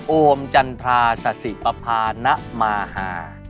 โอมจันทราศาสิปภานะมาฮา